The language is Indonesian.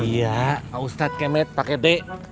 iya ustadz kemet pakai d